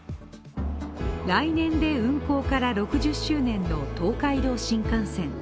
来年で運行から６０周年の東海道新幹線。